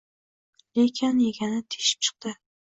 Lekin yegani teshib chiqdi.